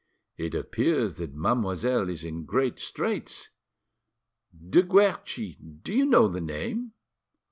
It appears that mademoiselle is in great straits. De Guerchi—do you know the name?"